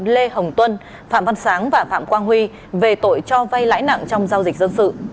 lê hồng tuân phạm văn sáng và phạm quang huy về tội cho vay lãi nặng trong giao dịch dân sự